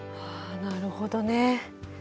あなるほどね。